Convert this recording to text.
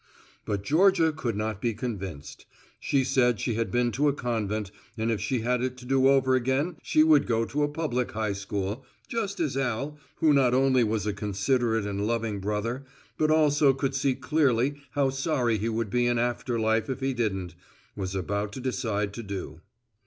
But Georgia could not be convinced. She said she had been to a convent and if she had it to do over again she would go to public high school just as Al, who not only was a considerate and loving brother, but also could see clearly how sorry he would be in after life if he didn't, was about to decide to do.